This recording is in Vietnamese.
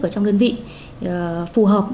ở trong đơn vị phù hợp